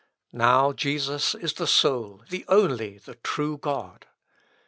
Now Jesus is the sole, the only, the true God.